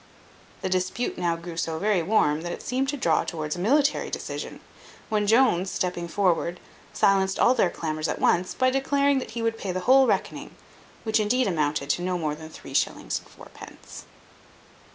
The dispute now grew so very warm that it seemed to draw towards a military decision, when Jones, stepping forward, silenced all their clamours at once, by declaring that he would pay the whole reckoning, which indeed amounted to no more than three shillings and fourpence.